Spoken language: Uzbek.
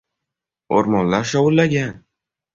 O’rmonlar shovillagan